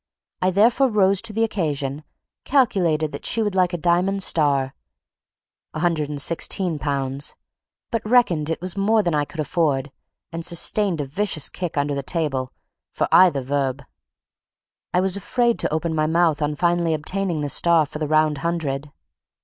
I therefore rose to the occasion; calculated she would like a diamond star (£116), but reckoned it was more than I could afford; and sustained a vicious kick under the table for either verb. I was afraid to open my mouth on finally obtaining the star for the round hundred.